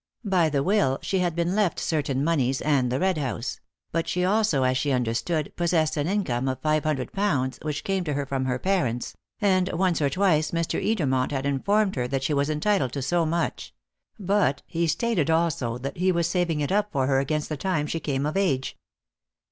By the will she had been left certain moneys and the Red House; but she also, as she understood, possessed an income of five hundred pounds, which came to her from her parents, and once or twice Mr. Edermont had informed her that she was entitled to so much; but he stated also that he was saving it up for her against the time she came of age.